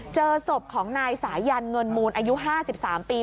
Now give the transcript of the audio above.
เจอศพของนายสายันเงินมูลอายุ๕๓ปี